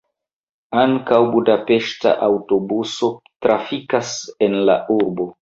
Ankaŭ budapeŝta aŭtobuso trafikas en la urbo.